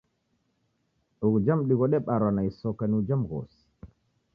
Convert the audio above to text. Ughuja mudi ghodebarwa na isoka ni uja mghosi.